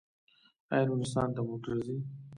آیا نورستان ته موټر ځي؟